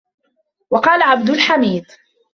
وَقَالَ عَبْدُ الْحَمِيدِ